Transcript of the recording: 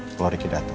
kalau ricky datang